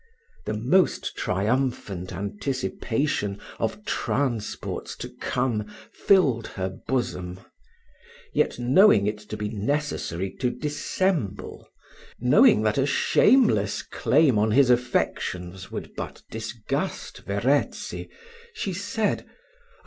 The most triumphant anticipation of transports to come filled her bosom; yet, knowing it to be necessary to dissemble knowing that a shameless claim on his affections would but disgust Verezzi, she said "Oh!